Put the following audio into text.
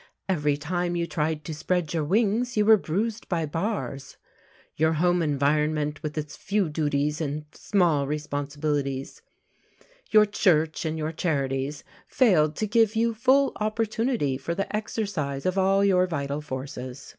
Every time you tried to spread your wings you were bruised by bars. Your home environment with its few duties and small responsibilities, your church and your charities, failed to give you full opportunity for the exercise of all your vital forces.